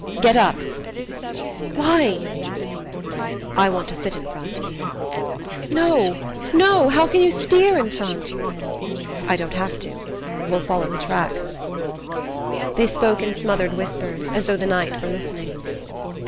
"Get up!" "Why?" "I want to sit in front." "No, no! How can you steer in front?" "I don't have to. We'll follow the track." They spoke in smothered whispers, as though the night were listening.